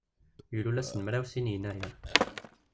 Ilul ass n mraw d sin yennayer.